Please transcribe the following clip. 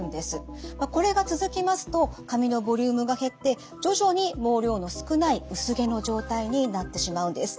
これが続きますと髪のボリュームが減って徐々に毛量の少ない薄毛の状態になってしまうんです。